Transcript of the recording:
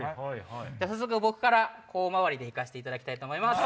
早速僕からこう回りで行かせていただきたいと思います。